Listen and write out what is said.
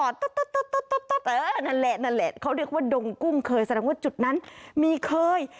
นั่นแหละนั่นแหละเขาเรียกว่าดงกุ้งเคยแสดงว่าจุดนั้นมีเคย